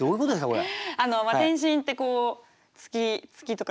これ。